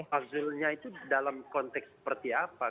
azulnya itu dalam konteks seperti apa